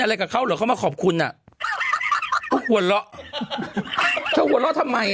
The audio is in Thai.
อะไรกับเขาหรือเขามาขอบคุณอ่ะเจ้าหัวละทำไม